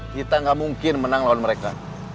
kita nggak mungkin menang lawan mereka